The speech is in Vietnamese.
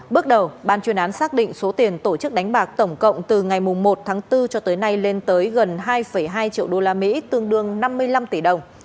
bước đầu ban chuyên án xác định số tiền tổ chức đánh bạc tổng cộng từ ngày một tháng bốn cho tới nay lên tới gần hai hai triệu usd tương đương năm mươi năm tỷ đồng